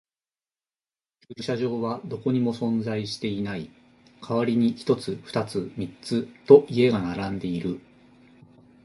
駐車場はどこにも存在していない。代わりに一つ、二つ、三つと家が並んでいる。